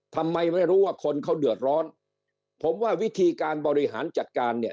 ทำไมไม่รู้ว่าคนเขาเดือดร้อนผมว่าวิธีการบริหารจัดการเนี่ย